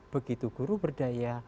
begitu guru berdaya